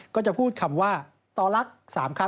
ก็จะพูดคำว่าต่อลักษณ์๓ครั้ง